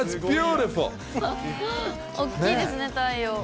おっきいですね、太陽。